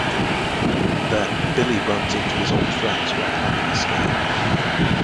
Then, Billy runs into his old friends who are planning a scam.